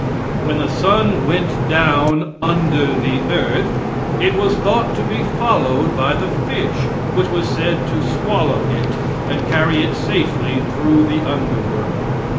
When the sun went down under the earth, it was thought to be followed by the fish, which was said to swallow it, and carry it safely through the under world.